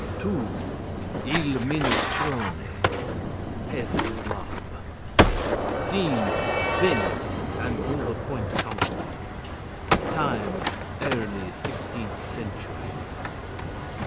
II IL MINNESTRONE (PEASANT LOVE) SCENE: Venice and Old Point Comfort. TIME: _Early 16th Century.